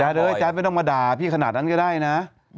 แจ๊ดเว้ยแจ๊ดไม่ต้องมาด่าพี่ขนาดนั้นจะได้นะ